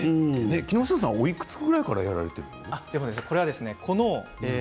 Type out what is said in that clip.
木下さんはおいくつぐらいからやられているの？